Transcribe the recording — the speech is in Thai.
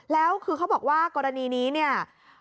แล้วคือเขาบอกว่ากรณีนี้เนี่ย